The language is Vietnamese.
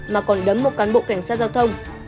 mà còn đấm một cán bộ cảnh sát giao thông